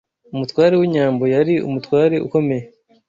Umutware w’inyambo Yari umutware ukomeye